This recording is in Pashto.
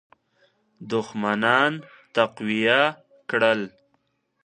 دښمنان تقویه کړل.